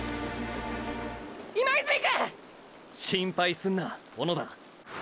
心配すんな小野田。